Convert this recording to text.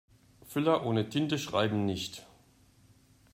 Füller ohne Tinte schreiben nicht.